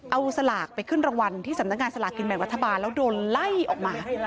เอาสลากไปขึ้นรางวัลที่สำนักงานสลากกินแบ่งรัฐบาลแล้วโดนไล่ออกมา